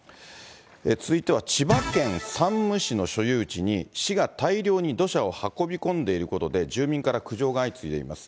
続いては千葉県山武市の所有地に、市が大量に土砂を運び込んでいることで、住民から苦情が相次いでいます。